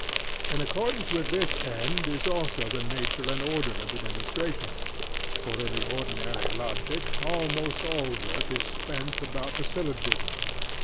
In accordance with this end is also the nature and order of the demonstrations. For in the ordinary logic almost all the work is spent about the syllogism.